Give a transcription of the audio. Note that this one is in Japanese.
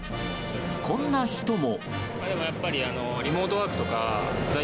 こんな人も。